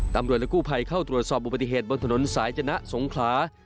ตำรวจและกู้ภัยเข้าตรวจสอบอุบัติเหตุบนถนนสายจนะสงขลา